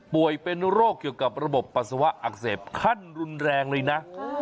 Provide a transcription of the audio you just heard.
เป็นโรคเกี่ยวกับระบบปัสสาวะอักเสบขั้นรุนแรงเลยนะ